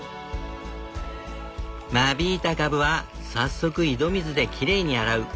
間引いたカブは早速井戸水できれいに洗う。